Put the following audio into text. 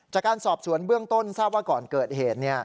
จากการสอบสวนเบื้องต้นทราบว่าก่อนเกิดเหตุ